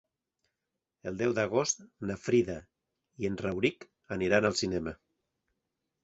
El deu d'agost na Frida i en Rauric aniran al cinema.